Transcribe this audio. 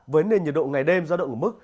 với nền nhiệt độ ngày đêm do độ ngủ mức